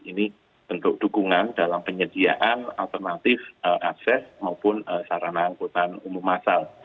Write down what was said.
ini bentuk dukungan dalam penyediaan alternatif akses maupun sarana angkutan umum masal